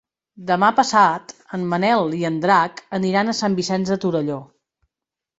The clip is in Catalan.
Demà passat en Manel i en Drac aniran a Sant Vicenç de Torelló.